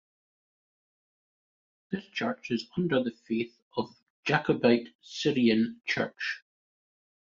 This church is under the faith of Jacobite Syrian Church.